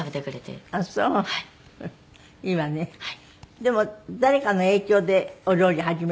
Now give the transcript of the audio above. でも誰かの影響でお料理始めたの？